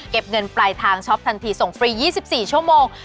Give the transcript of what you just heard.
เงินปลายทางช็อปทันทีส่งฟรี๒๔ชั่วโมง